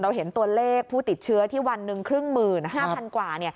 เราเห็นตัวเลขผู้ติดเชื้อที่วันหนึ่งครึ่งหมื่นห้าพันกว่า